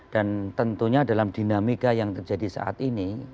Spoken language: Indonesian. dan tentunya dalam dinamika yang terjadi saat ini